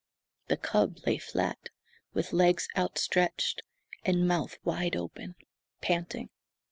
The cub lay flat, with legs outstretched and mouth wide open, panting.